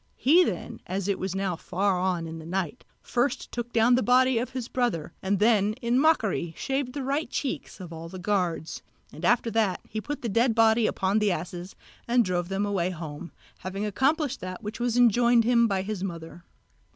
He then, as it was now far on in the night, first took down the body of his brother, and then in mockery shaved the right cheeks of all the guards; and after that he put the dead body upon the asses and drove them away home, having accomplished that which was enjoined him by his mother.